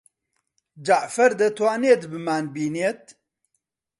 جەعفەر دەتوانێت بمانبینێت؟